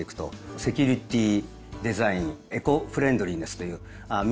セキュリティーデザインエコフレンドリーネスという３つのテーマをですね